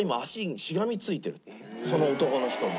その男の人に。